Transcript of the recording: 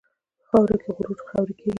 په خاوره کې غرور خاورې کېږي.